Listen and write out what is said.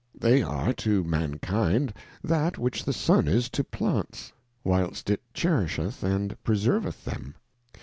' They are to mankind that which the Sun is to Plants, whilst it cherisheth and preserveth them.